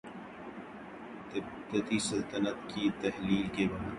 تبتی سلطنت کی تحلیل کے بعد